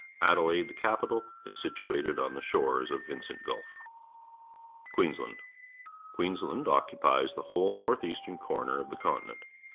Adelaide, the capital, is situated on the shores of <S/. Vincent Gv.lf. Queensland. — Qiieensland occupies the v. hole north eastern corner of the continent.